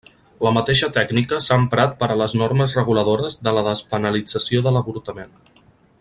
La mateixa tècnica s'ha emprat per a les normes reguladores de la despenalització de l'avortament.